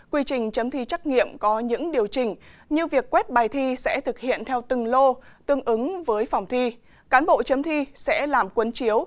quy trình chấm thi trắc nghiệm có những điều chỉnh như việc quét bài thi sẽ thực hiện theo từng lô tương ứng với phòng thi cán bộ chấm thi sẽ làm cuốn chiếu